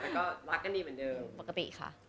แต่ก็รักกันดีเหมือนเดิม